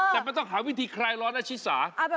แต่มันต้องหาวิธีคลายร้อนอาชีพสาธิ์